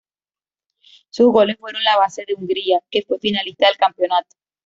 Sus goles fueron la base de Hungría, que fue finalista del campeonato.